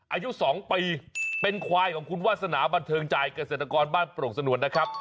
อายุ๒ปีเป็นควายของคุณวาสนาบันเทิงใจเกษตรกรบ้านโปรกสนวนนะครับ